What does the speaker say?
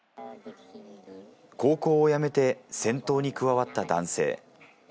高校を辞めて戦闘に加わった男性。